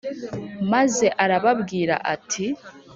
Maze arababwira ati